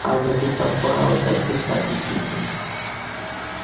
ازادي په پوهه او تدبیر ساتل کیږي.